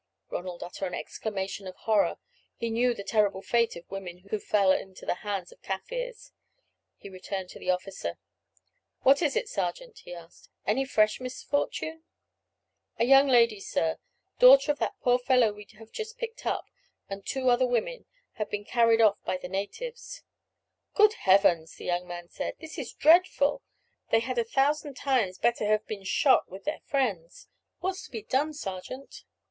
Ronald uttered an exclamation of horror; he knew the terrible fate of women who fell into the hands of the Kaffirs. He returned to the officer. "What is it, sergeant?" he asked. "Any fresh misfortune?" "A young lady, sir, daughter of that poor fellow we have just picked up, and two other women, have been carried off by the natives." "Good Heavens!" the young man said, "this is dreadful; they had a thousand times better have been shot with their friends. What's to be done, sergeant?"